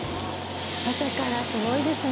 朝からすごいですね。